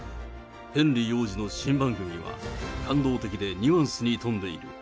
ヘンリー王子の新番組は、感動的でニュアンスに富んでいる。